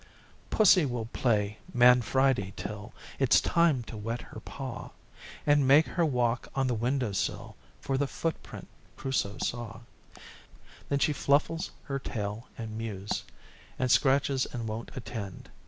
Pussy will play man Friday till It's time to wet her paw And make her walk on the window sill (For the footprint Crusoe saw); Then she fluffles her tail and mews, And scratches and won't attend.